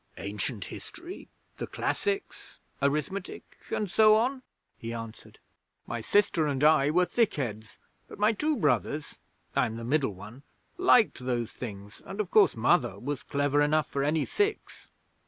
'Ancient history, the Classics, arithmetic and so on,' he answered. 'My sister and I were thick heads, but my two brothers (I'm the middle one) liked those things, and, of course, Mother was clever enough for any six.